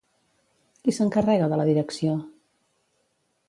Qui s'encarrega de la direcció?